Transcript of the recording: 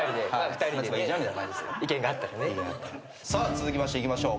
続きましていきましょう。